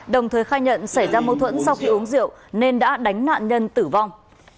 đồng thời khai nhận xảy ra mâu thuẫn sau khi uống rượu nên đã đánh nạn nhân tử vong